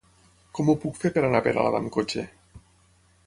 Com ho puc fer per anar a Peralada amb cotxe?